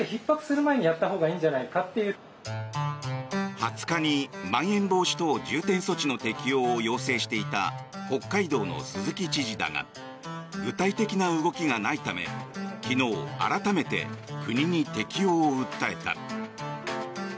２０日にまん延防止等重点措置の適用を要請していた北海道の鈴木知事だが具体的な動きがないため昨日、改めて国に適用を訴えた。